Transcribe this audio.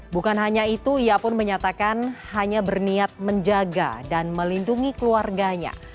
bukan hanya itu ia pun menyatakan hanya berniat menjaga dan melindungi keluarganya